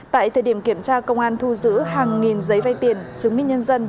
tại thời điểm kiểm tra công an thu giữ hàng nghìn giấy vay tiền chứng minh nhân dân